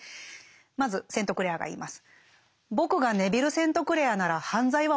まずセントクレアが言います。